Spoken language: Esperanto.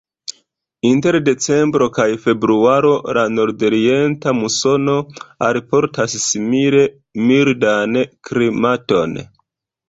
Inter decembro kaj februaro la nordorienta musono alportas simile mildan klimaton.